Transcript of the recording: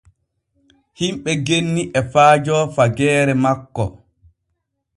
Himɓe genni e faajo fageere makko.